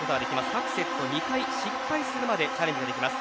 各セット２回、失敗するまでチャレンジすることができます。